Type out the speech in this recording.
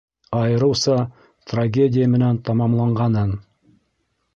Айырыуса, трагедия менән тамамланғанын.